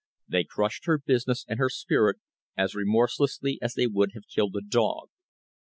They crushed her business and her spirit as remorselessly as they would have killed a dog."